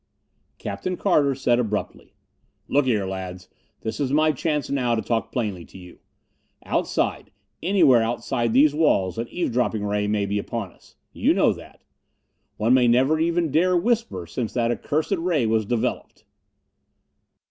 Captain Carter said abruptly, "Look here, lads, this is my chance now to talk plainly to you. Outside, anywhere outside these walls, an eavesdropping ray may be upon us. You know that? One may never even dare whisper since that accursed ray was developed."